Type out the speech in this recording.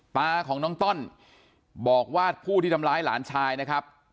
ตาของน้องต้อนบอกว่าผู้ที่ทำร้ายหลานชายนะครับ